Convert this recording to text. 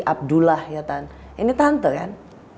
abdullah ya kan ini tante kan